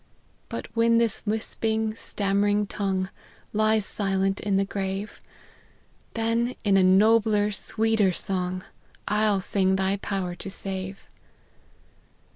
' But when this lisping, stammering tongue Lies silent in the grave, Then, in a nobler, sweeter song, I'll sing thy power to save.